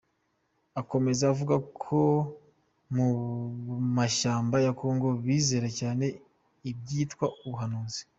Akomeza avuga abari mu mashyamba ya Congo bizera cyane ibyitwa ubuhanuzi.